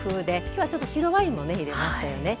今日はちょっと白ワインもね入れましたよね。